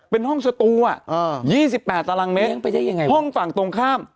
เป็นห้องสตูอ่ะ๒๘ตารางเมตรห้องฝั่งตรงข้าม